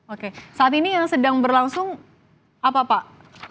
oke saat ini yang sedang berlangsung apa pak